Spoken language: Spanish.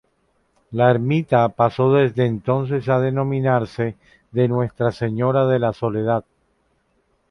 La ermita pasó desde entonces a denominarse de Nuestra Señora de la Soledad.